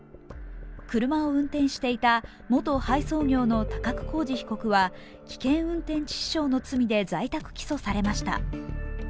車を運転していた元配送業の高久浩二被告は危険運転致死傷の罪で在宅起訴されました。